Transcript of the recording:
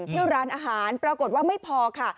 เที่ยวร้านอาหารปรากฏว่าไม่พอค่ะ